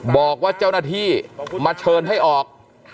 บอกว่าเจ้าหน้าที่มาเชิญให้ออก